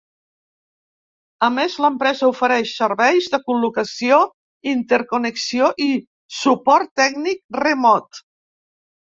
A més, l'empresa ofereix serveis de col·locació, interconnexió i suport tècnic remot.